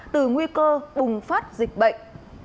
từ nguy cơ bùng phát dịch bệnh